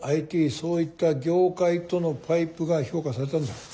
そういった業界とのパイプが評価されたんだろう。